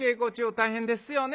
大変ですよね。